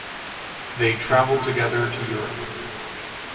They travel together to Europe.